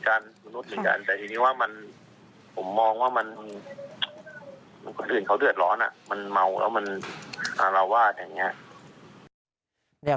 คนอื่นเขาเดือดร้อนมันเมาแล้วมันอาราวาสอย่างนี้